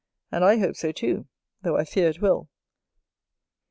And I hope so too, though I fear it will.